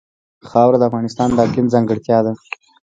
خاوره د افغانستان د اقلیم ځانګړتیا ده.